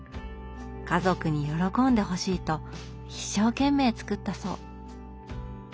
家族に喜んでほしいと一生懸命作ったそう。